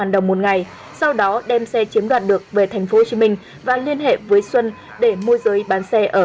đồng một ngày sau đó đem xe chiếm đoạt được về tp hcm và liên hệ với xuân để môi giới bán xe ở